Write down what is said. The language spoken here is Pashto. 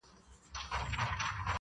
له ذاته زرغونېږي لطافت د باران یو دی,